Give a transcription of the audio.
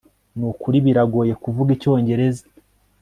Nukuri biragoye kuvuga icyongereza